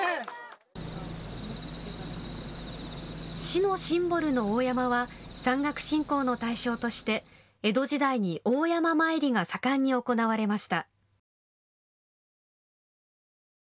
市のシンボルの大山は山岳信仰の対象として江戸時代に大山詣りが盛んに行われました。